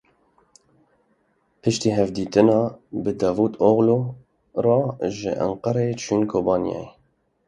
Piştî hevdîtina bi Davutoglu re ji Enqereyê çûn Kobaniyê.